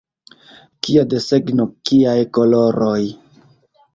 Kia desegno, kiaj koloroj!